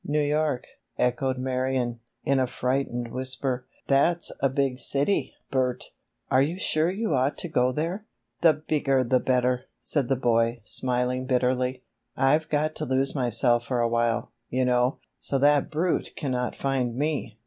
"New York," echoed Marion, in a frightened whisper. "That's a big city, Bert! Are you sure you ought to go there?" "The bigger the better," said the boy, smiling bitterly. "I've got to lose myself for awhile, you know, so that brute cannot find me."